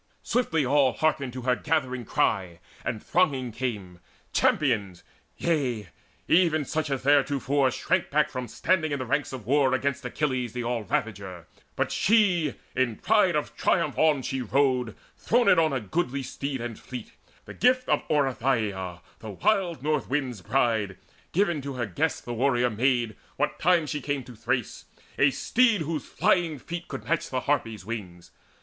Swiftly all Hearkened her gathering ery, and thronging came, Champions, yea, even such as theretofore Shrank back from standing in the ranks of war Against Achilles the all ravager. But she in pride of triumph on she rode Throned on a goodly steed and fleet, the gift Of Oreithyia, the wild North wind's bride, Given to her guest the warrior maid, what time She came to Thrace, a steed whose flying feet Could match the Harpies' wings.